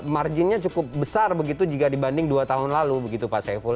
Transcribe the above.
marginnya cukup besar begitu jika dibanding dua tahun lalu begitu pak saiful